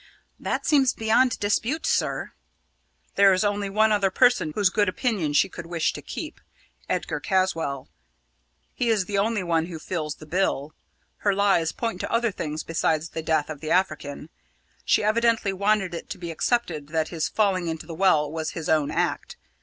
"That seems beyond dispute, sir." "There is only one other person whose good opinion she could wish to keep Edgar Caswall. He is the only one who fills the bill. Her lies point to other things besides the death of the African. She evidently wanted it to be accepted that his falling into the well was his own act.